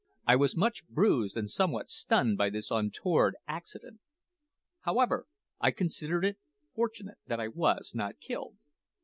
I was much bruised and somewhat stunned by this untoward accident. However, I considered it fortunate that I was not killed.